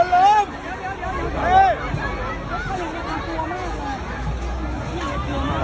เราจะมาที่นี่แผงรวมหน้า